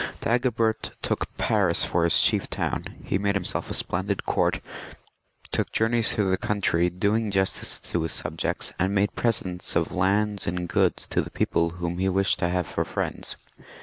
Dagobert took Paris for his chief town ; he made himself a splendid court, took journeys through the country doing justice to his subjects, and made presents of lands and goods to the people whom he wished to have for friends.